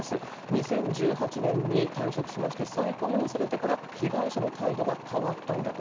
２０１８年に退職しまして、再雇用されてから、被害者の態度が変わったんだと。